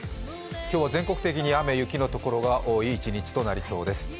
今日は全国的に雨、雪のところが多い一日となりそうです。